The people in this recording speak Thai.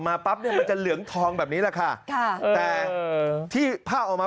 ปั๊บเนี่ยมันจะเหลืองทองแบบนี้แหละค่ะค่ะแต่ที่ภาพออกมา